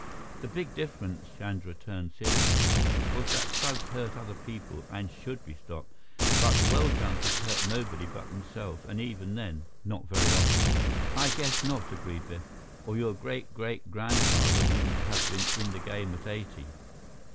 The big difference" Chandra turned serious now "was that thugs hurt other people and should be stopped, but well jumpers hurt nobody but themselves and even then, not very often." "I guess not," agreed Biff, "or your great great grandfather wouldn't have been in the game at eighty."